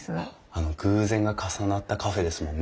あの偶然が重なったカフェですもんね。